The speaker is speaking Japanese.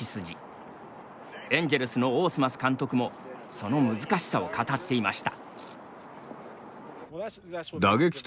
エンジェルスのオースマス監督もその難しさを語っていました。